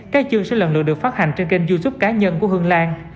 các chương sẽ lần lượt được phát hành trên kênh youtube cá nhân của hương lan